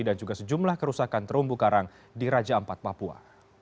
dan juga sejumlah kerusakan terumbu karang di raja ampat papua